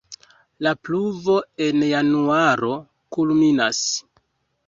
La pluvo en januaro kulminas.